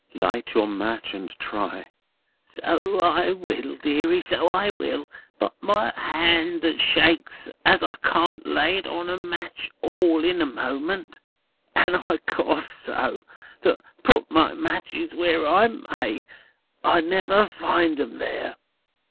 "Light your match, and try." "So I will, deary, so I will; but my hand that shakes, as I can't lay it on a match all in a moment. And I cough so, that, put my matches where I may, I never find 'em there.